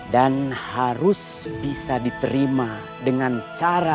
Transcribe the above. dan harus bisa diterima dengan cara baik